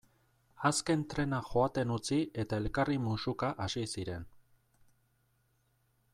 Azken trena joaten utzi eta elkarri musuka hasi ziren.